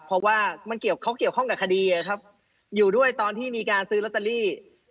เพราะว่ามันเกี่ยวเขาเกี่ยวข้องกับคดีอยู่ด้วยตอนที่มีการซื้อลอตเตอรี่